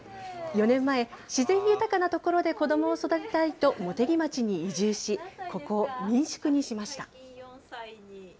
４年前、自然豊かな所で子どもを育てたいと茂木町に移住し、ここを民宿にしました。